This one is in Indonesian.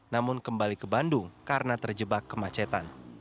namun kembali ke bandung karena terjebak kemacetan